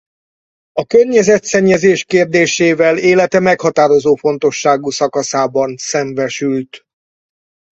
A környezetszennyezés kérdésével élete meghatározó fontosságú szakaszában szembesült.